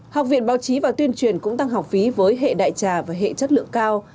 học viện báo chí và tuyên truyền cũng tăng học phí với hệ đại trà và hệ chất lượng cao